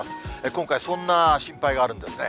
今回、そんな心配があるんですね。